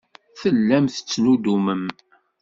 Tellam tettnuddumem.